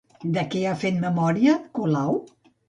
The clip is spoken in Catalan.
De què ha fet memòria Colau?